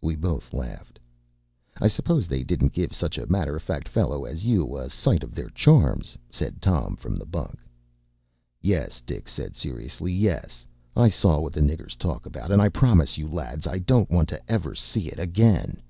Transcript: We both laughed. “I suppose they didn’t give such a matter of fact fellow as you a sight of their charms?” said Tom, from the bunk. “Yes,” said Dick, seriously, “yes; I saw what the niggers talk about; and I promise you, lads, I don’t want ever to see it again.